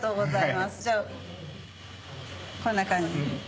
じゃあこんな感じ。